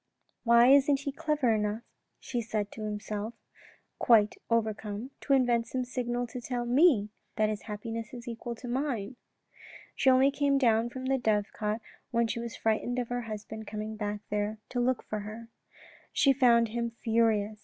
"Why isn't he clever enough," she said to herself, quite overcome, " to invent some signal to tell me that his happiness is equal to mine ?" She only came down from the dovecot when she was frightened of her husband coming there to look for her. She found him furious.